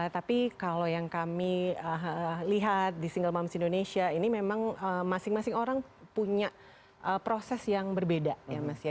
tapi kalau yang kami lihat di single moms indonesia ini memang masing masing orang punya proses yang berbeda ya mas ya